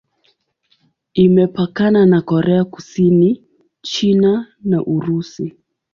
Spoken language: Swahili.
Imepakana na Korea Kusini, China na Urusi.